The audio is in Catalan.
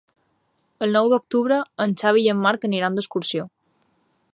El nou d'octubre en Xavi i en Marc aniran d'excursió.